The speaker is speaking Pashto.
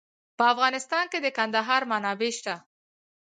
په افغانستان کې د کندهار منابع شته.